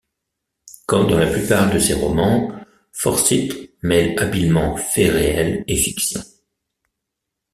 Comme dans la plupart de ses romans, Forsyth mêle habilement faits réels et fiction.